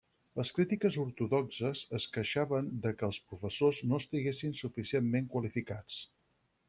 Les crítiques ortodoxes es queixaven de què els professors no estiguessin suficientment qualificats.